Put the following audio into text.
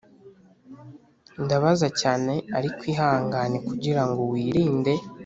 ndabaza cyane. ariko ihangane, kugirango wirinde